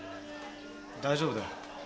大丈夫だよ。